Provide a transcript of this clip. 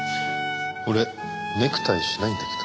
俺ネクタイしないんだけど。